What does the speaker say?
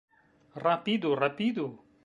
Rapidu, rapidu!